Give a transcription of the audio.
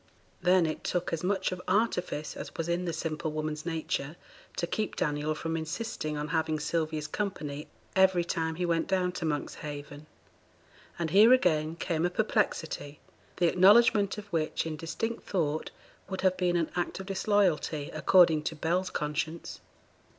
Then it took as much of artifice as was in the simple woman's nature to keep Daniel from insisting on having Sylvia's company every time he went down to Monkshaven. And here, again, came a perplexity, the acknowledgement of which in distinct thought would have been an act of disloyalty, according to Bell's conscience.